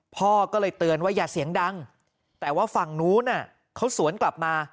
พ่อก็เลยเตือนว่าอย่าเสียงดังแต่ว่าฝั่งนู้นเขาสวนกลับมา